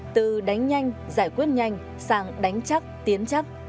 từ đánh nhanh giải quyết nhanh sang đánh chắc tiến chắc